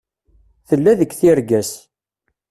Tella deg tirga-s.